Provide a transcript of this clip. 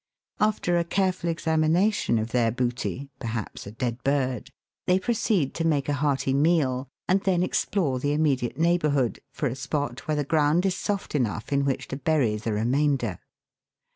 After a careful examination of their booty (perhaps a dead bird), they proceed to make a hearty meal, and then explore the immediate neighbour hood for a spot where the ground is soft enough in which to bury the remainder.